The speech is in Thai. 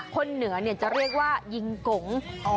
คนเหนือจะเรียกว่ายิงกง